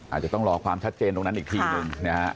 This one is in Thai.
อาจจะต้องรอความชัดเจนตรงนั้นอีกทีหนึ่งนะฮะ